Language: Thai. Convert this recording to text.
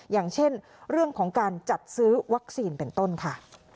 อย่างเช่นเรื่องของการจัดซื้อวัคซีนเป็นต้นค่ะ